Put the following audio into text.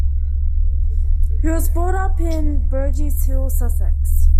He was brought up in Burgess Hill, Sussex.